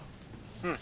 うん。